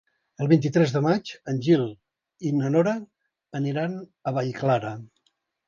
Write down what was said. El vint-i-tres de maig en Gil i na Nora aniran a Vallclara.